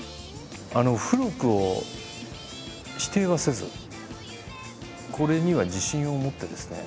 古くを否定はせずこれには自信を持ってですね。